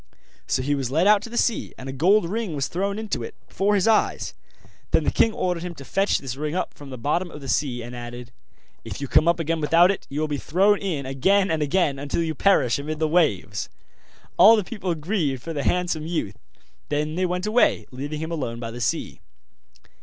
So he was led out to the sea, and a gold ring was thrown into it, before his eyes; then the king ordered him to fetch this ring up from the bottom of the sea, and added: 'If you come up again without it you will be thrown in again and again until you perish amid the waves.' All the people grieved for the handsome youth; then they went away, leaving him alone by the sea.